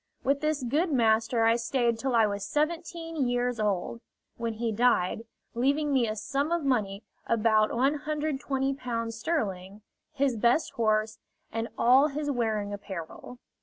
With this good master I stayed till I was seventeen years old, when he died, leaving me a sum of money, about Ł120 sterling, his best horse, and all his wearing apparel.